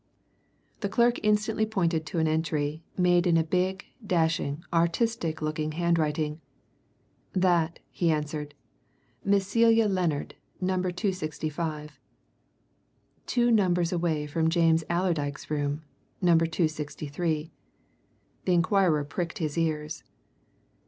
The clerk instantly pointed to an entry, made in a big, dashing, artistic looking handwriting. "That," he answered. "Miss Celia Lennard Number 265." Two numbers away from James Allerdyke's room Number 263! The inquirer pricked his ears.